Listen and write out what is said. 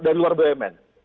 dari luar bumn